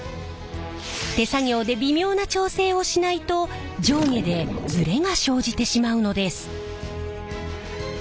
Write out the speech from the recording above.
手作業で微妙な調整をしないと上下でズレが生じてしまうのです。